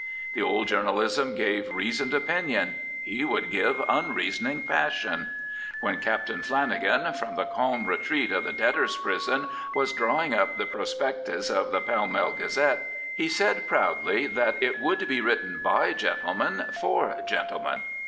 The old journalism gave reasoned opinion; he would give unreasoning passion. When Captain Flanagan, from the calm retreat of the debtors' prison, was drawing up the prospectus of the Pall Mall Gazette, he said proudly that it ' would be written by gentlemen for gentlemen.'